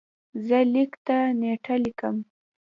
زه لیک ته نېټه لیکم.